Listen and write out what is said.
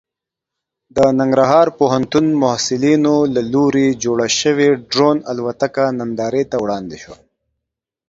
د ننګرهار پوهنتون محصلینو له لوري جوړه شوې ډرون الوتکه نندارې ته وړاندې شوه.